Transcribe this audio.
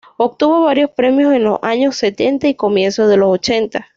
Obtuvo varios premios en los años setenta y comienzos de los ochenta.